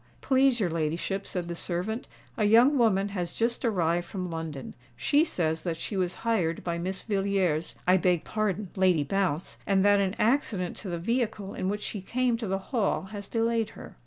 "Please your ladyship," said the servant, "a young woman has just arrived from London. She says that she was hired by Miss Villiers—I beg pardon Lady Bounce—and that an accident to the vehicle in which she came to the Hall has delayed her."